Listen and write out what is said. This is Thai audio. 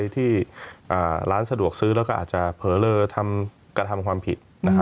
ที่ร้านสะดวกซื้อแล้วก็อาจจะเผลอเลอกระทำความผิด